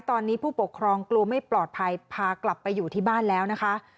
ตอนนี้ผู้ปกครองกลัวไม่ปลอดภัยพากลับไปอยู่ที่บ้านแล้วนะคะ